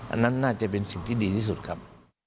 อันนั้นน่าจะเป็นสิ่งที่ดีที่สุดครับ